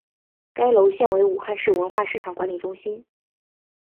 该楼现为武汉市文化市场管理中心。